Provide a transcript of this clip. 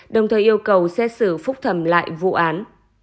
đồng thời yêu cầu xét xử phúc thẩm lại vụ án